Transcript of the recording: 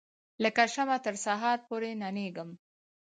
لکه شمعه تر سهار پوري ننیږم